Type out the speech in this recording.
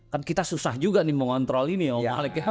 kan kita susah juga nih mengontrol ini om alek ya